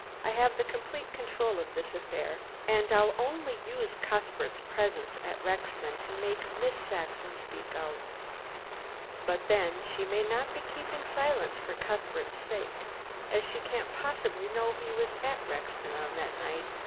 I have the complete control of this affair, and I'll only use Cuthbert's presence at Rexton to make Miss Saxon speak out. But then, she may not be keeping silence for Cuthbert's sake, as she can't possibly know he was at Rexton on that night.